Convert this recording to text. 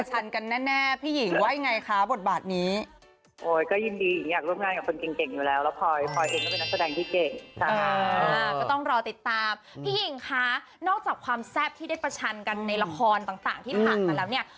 ใช่ค่ะแต่ว่าถ้าในมุมของหญิงหญิงคงอยากร่วมงานในฐานะแบบนักแสดงด้วย